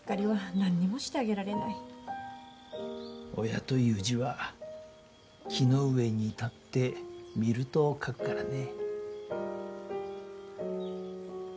「親」という字は木の上に立って見ると書くからね。